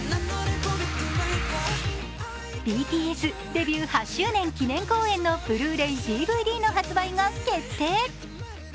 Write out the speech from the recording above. ＢＴＳデビュー８周年記念公演のＢｌｕ−ｒａｙ、ＤＶＤの発売が決定。